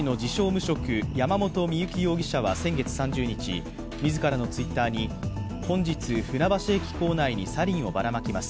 ・無職山本深雪容疑者は先月３０日、みずからのＴｗｉｔｔｅｒに本日、船橋駅構内にサリンをばらまきます